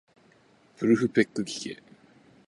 ブルフペックきけ